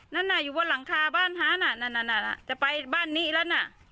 นั่นน่ะอยู่บนหลังคาบ้านฮาน่ะนั่นจะไปบ้านนี้แล้วนะ